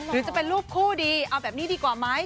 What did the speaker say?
หรือจะเป็นรูปคู่ดีเอาแบบนี้ดีกว่าไหม